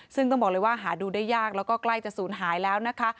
ซึ่งต้องบอกเลยว่าหาดูได้ยากแล้วก็ใกล้จะศูนย์หายแล้วนะคะ